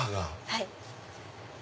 はい。